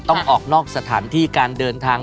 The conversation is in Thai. ต้องออกนอกสถานที่การเดินทาง